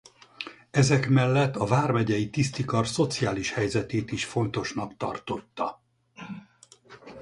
Ezek mellett a vármegyei tisztikar szociális helyzetét is fontosnak tartotta.